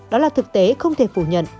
đó là thực tế không thể phủ nhận